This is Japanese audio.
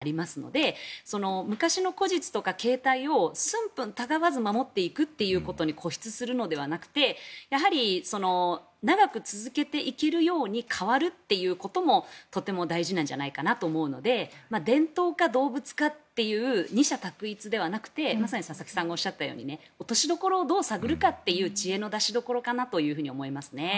今回は動物ですが例えば、夜間の行事だったりとか火を使う行事というのはやっぱり騒音とか安全性の面から変化を迫られているという面もありますので昔の故実とか形態を寸分たがわず守っていくということに固執するのではなくてやはり長く続けていけるように変わるということもとても大事じゃないかなと思うので伝統か動物かっていう二者択一ではなくてまさに佐々木さんがおっしゃったように落としどころをどう探るかという知恵の出しどころかなと思いますね。